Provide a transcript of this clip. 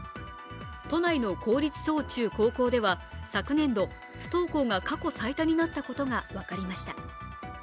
都内の公立小・中・高校では昨年度、不登校が過去最多になったことが分かりました。